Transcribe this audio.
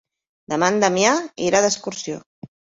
Demà en Damià irà d'excursió.